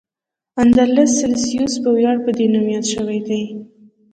اندرلس سلسیوس په ویاړ په دې نوم یاد شوی دی.